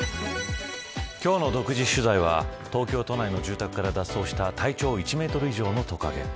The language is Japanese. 今日の独自取材は東京都内の住宅から脱走した体長１メートル以上のトカゲ。